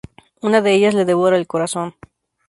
Una de ellas le devora el corazón.